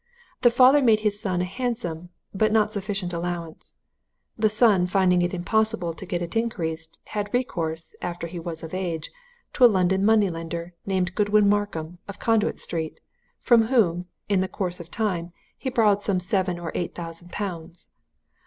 The father made his son a handsome, but not sufficient allowance the son, finding it impossible to get it increased, had recourse, after he was of age, to a London money lender, named Godwin Markham, of Conduit Street, from whom, in course of time, he borrowed some seven or eight thousand pounds.